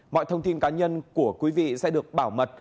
mọi thông tin cá nhân của quý vị sẽ được bảo mật